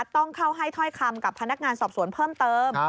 ต้องเข้าให้ถ้อยคำกับพนักงานสอบสวนเพิ่มเติม